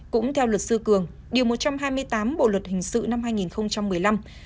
cũng theo luật sư cường điều một trăm hai mươi tám bộ luật hình sự năm hai nghìn một mươi năm